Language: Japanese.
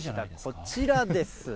こちらです。